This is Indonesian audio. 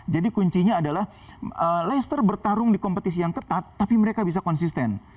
jadi kuncinya adalah leicester bertarung di kompetisi yang ketat tapi mereka bisa konsisten